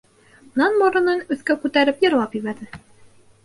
Унан моронон өҫкә күтәреп йырлап ебәрҙе.